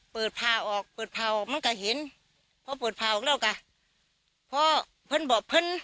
เปิดผ่าออกเปิดผ่าออกมันก็เห็นพอเปิดผ่าออกแล้วก็พอเพื่อนบอกเพื่อน